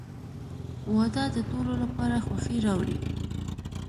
• واده د ټولو لپاره خوښي راوړي.